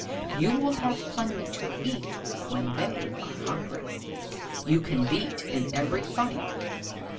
You will have plenty to eat when they are hungry. You can beat in every fight.